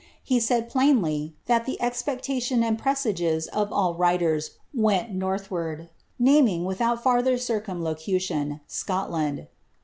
Bt BBJd plainly, thai the espectaiionc and presages of all wriiers went noni wanl. naming, nilhout larther circumlocutinn, Scotland!